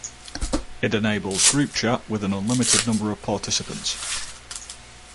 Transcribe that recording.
It enables group chat with an unlimited number of participants.